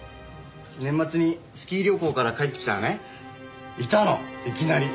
年末にスキー旅行から帰ってきたらねいたのいきなり。